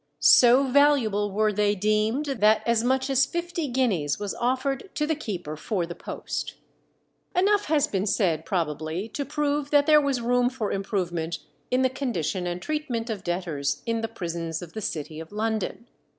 So valuable were they deemed, that as much as fifty guineas was offered to the keeper for the post. Enough has been said, probably, to prove that there was room for improvement in the condition and treatment of debtors in the prisons of the city of London.